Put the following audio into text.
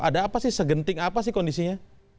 ada apa sih segenting apa sih kondisinya